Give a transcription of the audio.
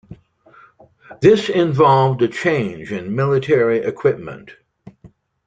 This involved a change in military equipment.